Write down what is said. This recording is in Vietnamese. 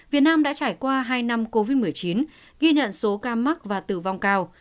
kể qua hai năm covid một mươi chín ghi nhận số ca mắc và tử vong cao